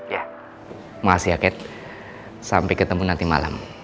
ya makasih ya kate sampai ketemu nanti malam